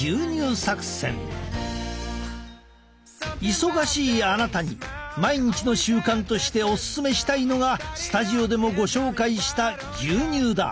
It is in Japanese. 忙しいあなたに毎日の習慣としてオススメしたいのがスタジオでもご紹介した牛乳だ。